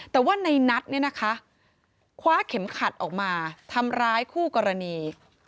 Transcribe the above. แต่ว่าในนัทเนี่ยนะคะคว้าเข็มขัดออกมาทำร้ายคู่กรณี